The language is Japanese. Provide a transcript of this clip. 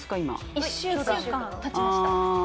１週間たちました。